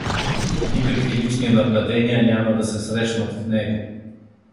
Никакви лични нападения няма да се срещнат в него.